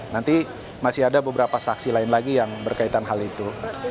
nanti masih ada beberapa saksi lain lagi yang berkaitan hal itu